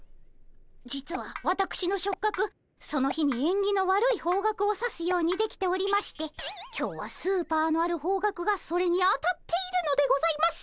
実はわたくしの触角その日にえんぎの悪い方角を指すようにできておりまして今日はスーパーのある方角がそれにあたっているのでございます。